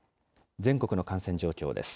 全国の感染状況です。